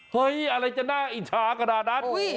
เฮ้ยอะไรจะน่าอิจฉากระดานนั้น